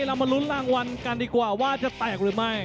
เรามาลุ้นรางวัลกันดีกว่าว่าจะแตกหรือไม่